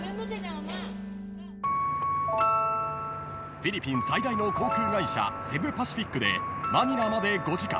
［フィリピン最大の航空会社セブパシフィックでマニラまで５時間］